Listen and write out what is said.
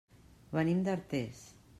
Venim d'Artés.